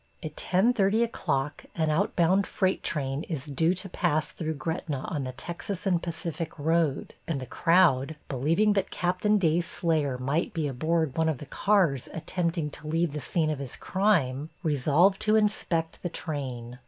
At 10:30 o'clock an outbound freight train is due to pass through Gretna on the Texas and Pacific Road, and the crowd, believing that Captain Day's slayer might be aboard one of the cars attempting to leave the scene of his crime, resolved to inspect the train.